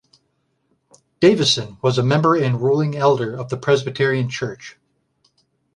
Davisson was a member and ruling elder of the Presbyterian Church.